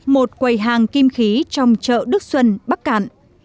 một quầy hàng kim khí trong chợ đức xuân bắc cạn